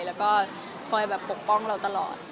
แล้วก็คอยแบบปกป้องเราตลอด